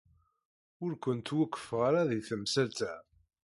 Ur kent-wufqeɣ ara di temsalt-a.